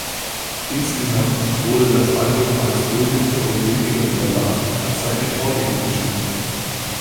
Insgesamt wurde das Album als fröhlicher und weniger überladen als seine Vorgänger beschrieben.